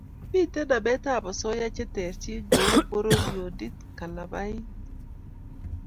Mitei nametab osoya che terchin kou pororiondit, kalabait,